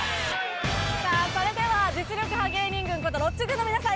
さあそれでは実力派芸人軍ことロッチ軍の皆さん